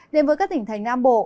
đến với các tỉnh thành nam bộ